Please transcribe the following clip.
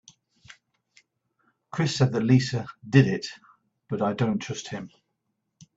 Chris said that Lisa did it but I dont trust him.